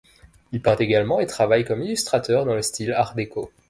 Il peint également et travaille comme illustrateur, dans le style Art déco.